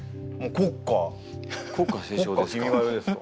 国歌斉唱ですか？